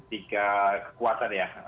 tiga kekuatan ya